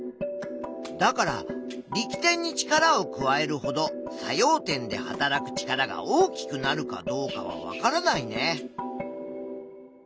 だから力点に力を加えるほど作用点ではたらく力が大きくなるかどうかはわからないね。